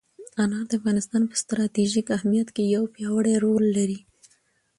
انار د افغانستان په ستراتیژیک اهمیت کې یو پیاوړی رول لري.